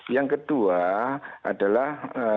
yang kedua adalah